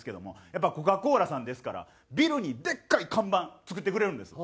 やっぱりコカ・コーラさんですからビルにでっかい看板作ってくれるんです。